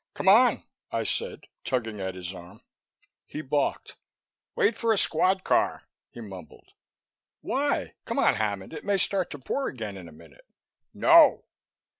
"Come on," I said, tugging at his arm. He balked. "Wait for a squad car," he mumbled. "Why? Come on, Hammond, it may start to pour again in a minute." "No!"